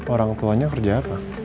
orang tuanya kerja apa